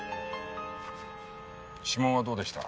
指紋はどうでした？